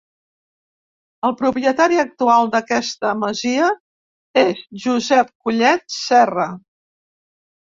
El propietari actual d'aquesta masia és Josep Collet Serra.